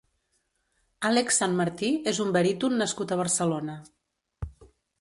Àlex Sanmartí és un baríton nascut a Barcelona.